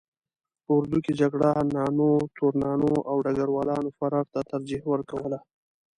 په اردو کې جګړه نانو، تورنانو او ډګر والانو فرار ته ترجیح ورکوله.